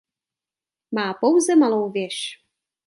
Má pouze malou věž.